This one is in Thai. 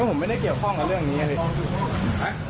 ผมไม่ได้เกี่ยวข้องกับเรื่องนี้ไง